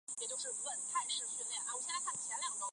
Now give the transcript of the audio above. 可溶于多数有机溶剂。